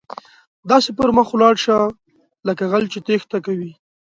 داسې پر مخ ولاړ شه، لکه غل چې ټیښته کوي.